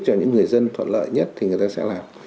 cho những người dân thuận lợi nhất thì người ta sẽ làm